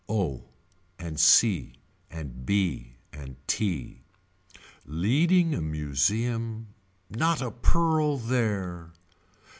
O. and c and be and tea. Leading a museum not a pearl there.